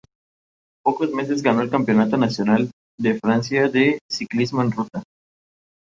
Ambas constantes pueden ser reguladas por proteínas reguladoras individuales.